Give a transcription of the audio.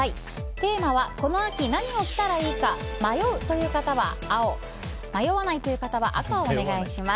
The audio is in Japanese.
テーマは、この秋何を着たらいいか迷うという方は青迷わないという方は赤をお願いします。